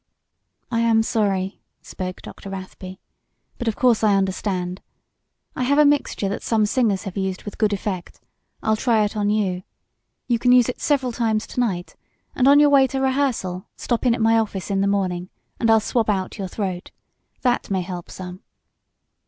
"I am sorry," spoke Dr. Rathby. "But of course I understand. I have a mixture that some singers have used with good effect. I'll try it on you. You can use it several times to night, and on your way to rehearsal stop in at my office in the morning, and I'll swab out your throat. That may help some."